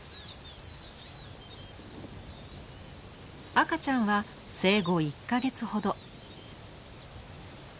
赤ちゃんは生後１か月ほど。